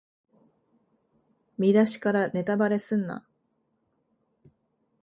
見だしからネタバレすんな